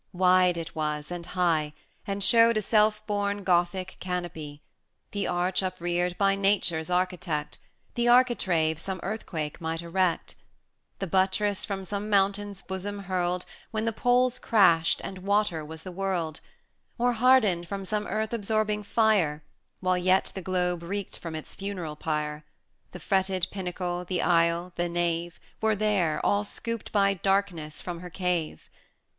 Wide it was and high, And showed a self born Gothic canopy; The arch upreared by Nature's architect, The architrave some Earthquake might erect; The buttress from some mountain's bosom hurled, When the Poles crashed, and water was the world; 150 Or hardened from some earth absorbing fire, While yet the globe reeked from its funeral pyre; The fretted pinnacle, the aisle, the nave, Were there, all scooped by Darkness from her cave.